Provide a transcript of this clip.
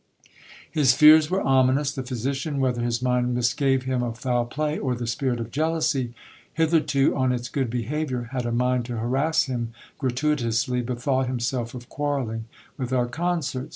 His fears were ominous : the phy sician, whether his mind misgave him of foul play, or the spirit of jealousy, hitherto on its good behaviour, had a mind to harass him gratuitously, bethought himself of quarrelling with our concerts.